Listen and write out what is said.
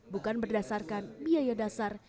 bukan berdasarkan biaya dasar